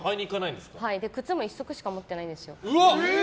靴も１足しか持ってないんですよ。